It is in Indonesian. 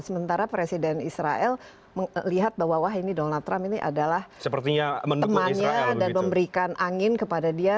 sementara presiden israel melihat bahwa wah ini donald trump ini adalah temannya dan memberikan angin kepada dia